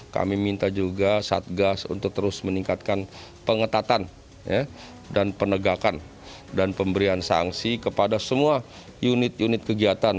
kami minta juga satgas untuk terus meningkatkan pengetatan dan penegakan dan pemberian sanksi kepada semua unit unit kegiatan